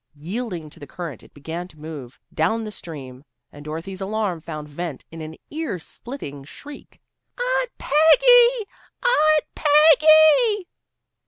Yielding to the current it began to move down the stream, and Dorothy's alarm found vent in an ear splitting shriek. "Aunt Peggy! Aunt Peggy!"